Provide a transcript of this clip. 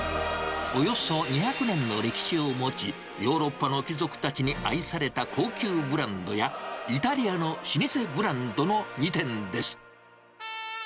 およそ２００年の歴史を持ち、ヨーロッパの貴族たちに愛された高級ブランドや、イタリアの老舗ブランドの２点です。